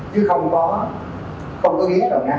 chứ không có không có ghé đồng nai